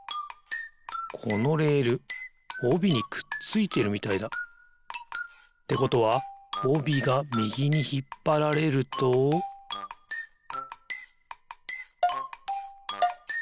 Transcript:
このレールおびにくっついてるみたいだ。ってことはおびがみぎにひっぱられるとピッ！